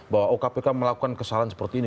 bahwa oh kpk melakukan kesalahan seperti ini